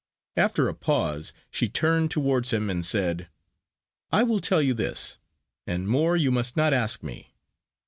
After a pause, she turned towards him and said: "I will tell you this; and more you must not ask me.